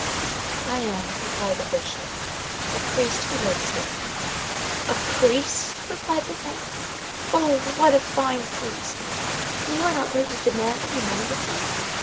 "I am," replied the Bishop, "a priest who lives here." "A priest!" said the man. "Oh, what a fine priest! Then you are not going to demand any money of me?